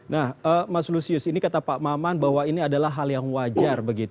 nah mas lusius ini kata pak maman bahwa ini adalah hal yang wajar